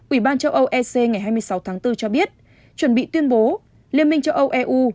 ủy ban châu âu ec ngày hai mươi sáu tháng bốn cho biết chuẩn bị tuyên bố liên minh châu âu eu